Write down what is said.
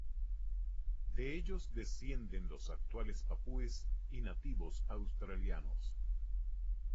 De ellos descienden los actuales papúes y nativos australianos.